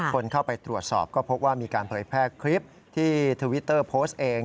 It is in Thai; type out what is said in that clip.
คนเข้าไปตรวจสอบก็พบว่ามีการเผยแพร่คลิปที่ทวิตเตอร์โพสต์เอง